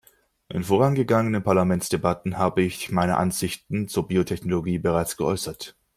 In vorangegangenen Parlamentsdebatten habe ich meine Ansichten zur Biotechnologie bereits geäußert.